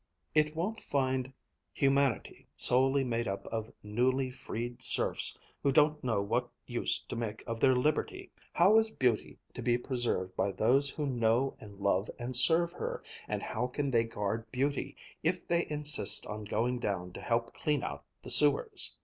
it won't find humanity solely made up of newly freed serfs who don't know what use to make of their liberty. How is beauty to be preserved by those who know and love and serve her, and how can they guard beauty if they insist on going down to help clean out the sewers?